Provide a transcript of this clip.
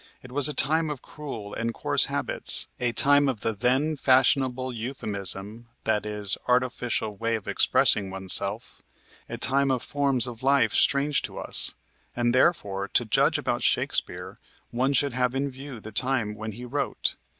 "It was a time of cruel and coarse habits, a time of the then fashionable euphemism, i.e., artificial way of expressing oneself a time of forms of life strange to us, and therefore, to judge about Shakespeare, one should have in view the time when he wrote.